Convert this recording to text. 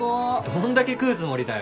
どんだけ食うつもりだよ。